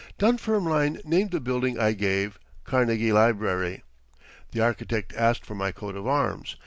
Dunfermline named the building I gave "Carnegie Library." The architect asked for my coat of arms.